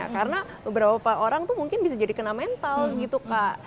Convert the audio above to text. karena beberapa orang tuh mungkin bisa jadi kena mental gitu kak